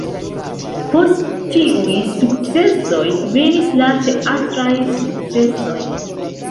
Post tiuj sukcesoj venis la teatraj sukcesoj.